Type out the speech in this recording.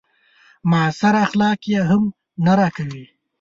معاصر اخلاق يې هم نه راکوي.